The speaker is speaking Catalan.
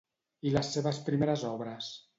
I les seves primeres obres?